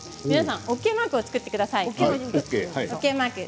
ＯＫマークを作ってください。